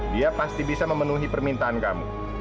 dia pasti bisa memenuhi permintaan kamu